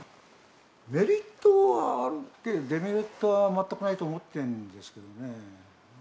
メリットはあるけど、デメリットは全くないと思ってるんですけどね。